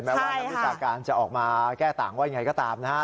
ว่านักวิชาการจะออกมาแก้ต่างว่ายังไงก็ตามนะฮะ